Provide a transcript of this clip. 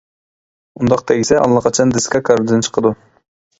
ئۇنداق تەگسە ئاللىقاچان دىسكا كاردىن چىقىدۇ.